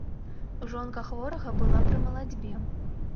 Жонка хворага была пры малацьбе.